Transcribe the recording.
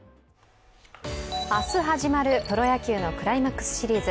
明日始まるプロ野球のクライマックスシリーズ。